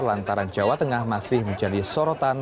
lantaran jawa tengah masih menjadi sorotan